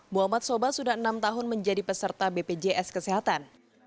muhammad soba sudah enam tahun menjadi peserta bpjs kesehatan